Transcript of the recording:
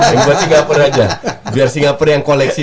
yang buat singapura aja biar singapura yang koleksi